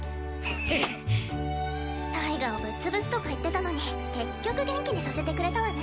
タイガをぶっ潰すとか言ってたのに結局元気にさせてくれたわね。